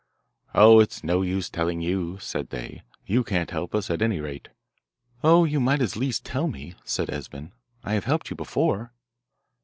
'Oh, it's no use telling you,' said they. 'You can't help us, at any rate.' 'Oh, you might at least tell me,' said Esben; 'I have helped you before.